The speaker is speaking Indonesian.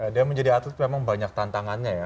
dia menjadi atlet memang banyak tantangannya ya